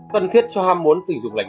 cần thiết cho ham muốn tình dục lạnh mạnh